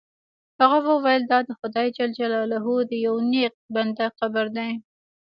هغه وویل دا د خدای جل جلاله د یو نیک بنده قبر دی.